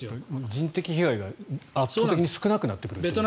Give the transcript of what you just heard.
人的被害が圧倒的に少なくなってくるわけですよね。